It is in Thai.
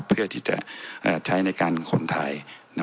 เพื่อที่จะใช้ในการคนไทย